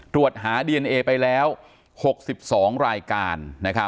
ตรวจหาดีเอนเอไปแล้ว๖๒รายการ